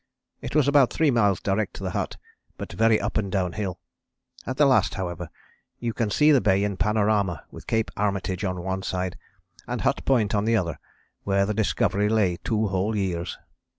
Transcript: It was about three miles direct to the hut, but very up and down hill. At the last, however, you see the Bay in panorama with Cape Armitage on one side, and Hut Point on the other, where the Discovery lay two whole years.